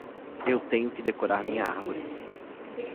Eu tenho que decorar minha árvore.